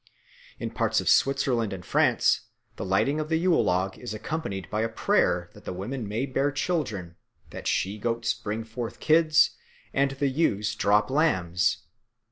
In parts of Switzerland and France the lighting of the Yule log is accompanied by a prayer that the women may bear children, the she goats bring forth kids, and the ewes drop lambs.